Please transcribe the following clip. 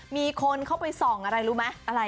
มีคนเข้าไปส่องอะไรรู้ไหมอะไร